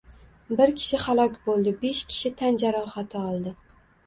Bir kishi halok boʻldi, besh kishi tan jarohati oldi